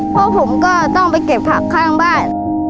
เพราะผมก็ต้องไปเก็บผักข้างบ้าน